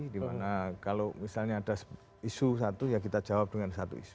dimana kalau misalnya ada isu satu ya kita jawab dengan satu isu